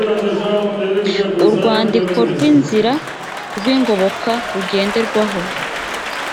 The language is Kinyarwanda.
urwandiko rw inzira rw ingoboka rugenderwaho